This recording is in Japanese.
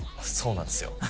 そうなんですよ。